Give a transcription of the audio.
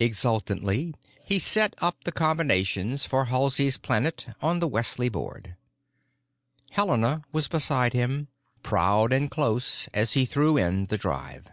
Exultantly he set up the combinations for Halsey's Planet on the Wesley board. Helena was beside him, proud and close, as he threw in the drive.